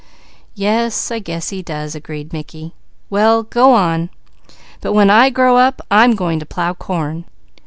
"Yes, I guess he does," agreed Mickey. "Well go on! But when I grow up I'm going to plow corn."